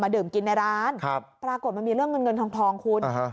มาดื่มกินในร้านครับปรากฏมันมีเรื่องเงินเงินทองทองคุณอ่าฮะ